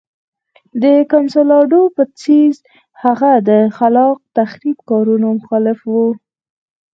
د کنسولاډو په څېر هغه د خلاق تخریب کارونو مخالف و.